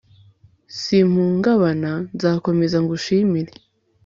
simpungabana, nzakomeza ngushimire